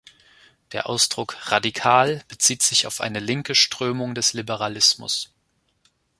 Der Ausdruck „radikal“ bezieht sich auf eine linke Strömung des Liberalismus.